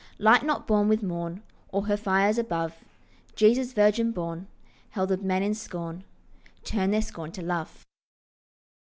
Light not born with morn Or her fires above, Jesus virgin born, Held of men in scorn, Turn their scorn to love.